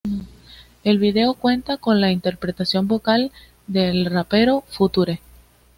El video cuenta con la interpretación vocal del rapero "Future".